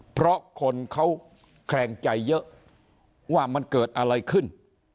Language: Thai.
เพราะคนเขาแคลงใจเยอะว่ามันเกิดอะไรขึ้น